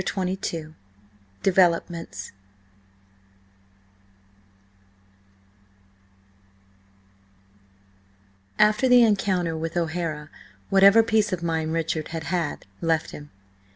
CHAPTER XXII DEVELOPMENTS AFTER the encounter with O'Hara, whatever peace of mind Richard had had, left him.